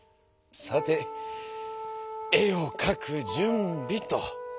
さて絵を描く準備と。